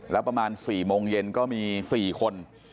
แล้วประมาณ๔โมงเย็นก็มี๔คน